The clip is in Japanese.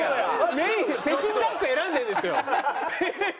メイン北京ダック選んでるんですよ。